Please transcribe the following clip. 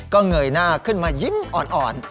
ก็เงยหน้าขึ้นมายิ้มอ่อน